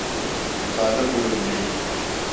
Müsaade buyurun beyim…